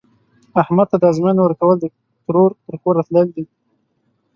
احمد ته د ازموینې ورکول، د ترور تر کوره تلل دي.